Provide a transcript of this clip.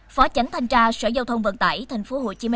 phó chánh thành tra sở giao thông vận tải tp hcm